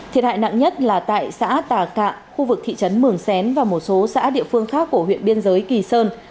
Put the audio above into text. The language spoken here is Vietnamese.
thiệt hại nặng nhất là tại xã tà cạ khu vực thị trấn mường xén và một số xã địa phương khác của huyện biên giới kỳ sơn